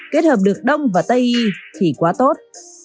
kết hợp được đông và tây y thì quá tốt